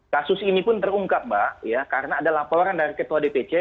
kasus ini pun terungkap mbak karena ada laporan dari ketua dpc